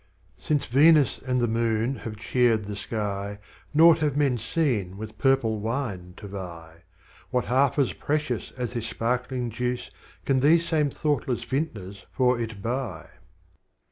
Since Venus and the Moon have cheered the Sky, Naught have Men seen with Purple Wine to vie; What half as precious as this sparkling Juice, Can these same thoughtless Vintners for it buy?"